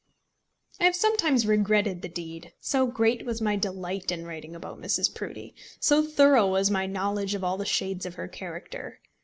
I have sometimes regretted the deed, so great was my delight in writing about Mrs. Proudie, so thorough was my knowledge of all the little shades of her character.